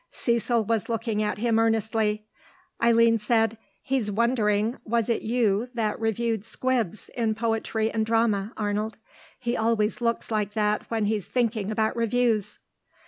Cecil was looking at him earnestly. Eileen said, "He's wondering was it you that reviewed 'Squibs' in Poetry and Drama, Arnold. He always looks like that when he's thinking about reviews."